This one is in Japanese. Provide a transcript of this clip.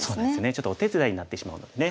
ちょっとお手伝いになってしまうのでね。